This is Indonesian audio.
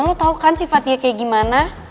lo tau kan sifat dia kayak gimana